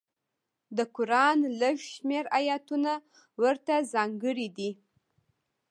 د قران لږ شمېر ایتونه ورته ځانګړي دي.